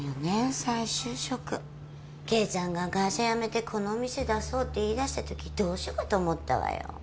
再就職圭ちゃんが会社辞めてこのお店出そうって言いだしたときどうしようかと思ったわよ